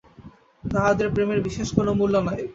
তাহাদের প্রেমের বিশেষ কিছু মূল্য নাই।